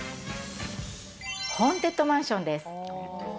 ホーンテッドマンションです。